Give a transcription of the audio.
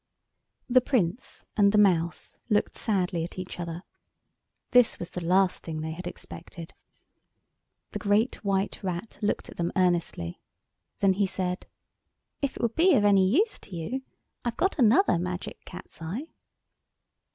The Prince and the Mouse looked sadly at each other. This was the last thing they had expected. The Great White Rat looked at them earnestly. Then he said— "If it would be of any use to you, I've got another Magic Cat's eye."